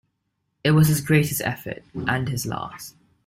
It was his greatest effort, and his last.